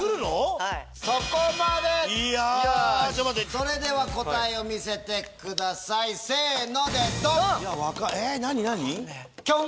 それでは答えを見せてくださいせのでドン！